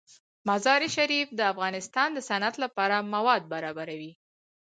مزارشریف د افغانستان د صنعت لپاره مواد برابروي.